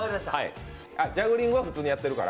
ジャグリングは普通にやってるから。